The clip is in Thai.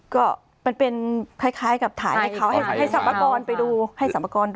ก็มันเป็นคล้ายกับถ่ายให้เขาให้สรรพากรไปดูให้สรรพากร